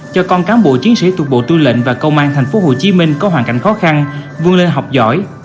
cho con cán bộ chiến sĩ thuộc bộ tư lệnh và công an tp hcm có hoàn cảnh khó khăn vươn lên học giỏi